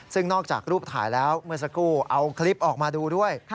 ซึ่งนอกจากรูปถ่ายแล้วเมื่อสักครู่เอาคลิปออกมาดูด้วย